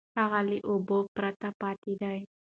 هغه له اوبو پرته پاتې دی.